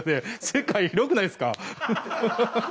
世界広くないですか？